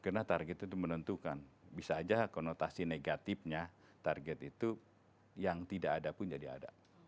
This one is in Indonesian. karena target itu menentukan bisa aja konotasi negatifnya target itu yang tidak ada pun jadi ada